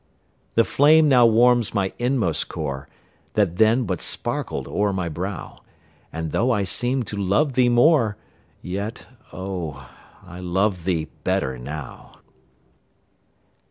The flame now warms my inmost core, That then but sparkled o'er my brow, And, though I seemed to love thee more, Yet, oh, I love thee better now.